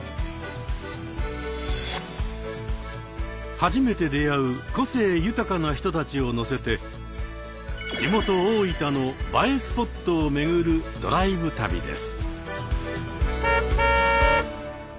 初めて出会う個性豊かな人たちを乗せて地元大分の映えスポットを巡るドライブ旅です。